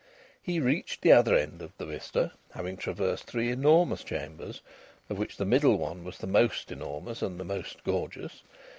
He reached the other end of the vista, having traversed three enormous chambers, of which the middle one was the most enormous and the most gorgeous.